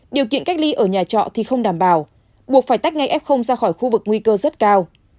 điều kiện cách ly ở nhà trọ thì không đảm bảo buộc phải tách ngay f ra khỏi khu vực nguy cơ rất cao